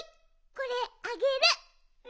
これあげる。